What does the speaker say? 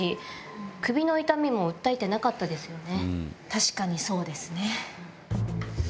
確かにそうですね。